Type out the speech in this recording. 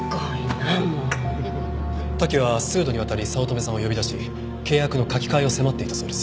滝は数度にわたり早乙女さんを呼び出し契約の書き換えを迫っていたそうです。